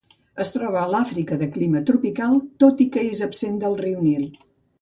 Es troba a l'Àfrica de clima tropical, tot i que és absent del riu Nil.